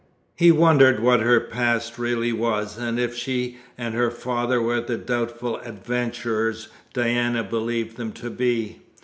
He wondered what her past really was, and if she and her father were the doubtful adventurers Diana believed them to be.